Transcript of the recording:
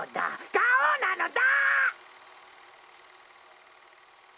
ガオなのだ！